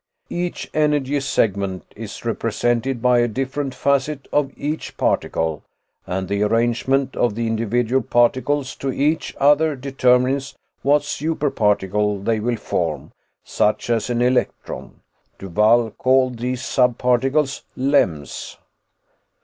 Each energy segment is represented by a different facet of each particle, and the arrangement of the individual particles to each other determines what super particle they will form, such as an electron. Duvall called these sub particles 'lems'.